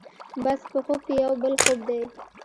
بس په خوب کې یو بل خوب دی.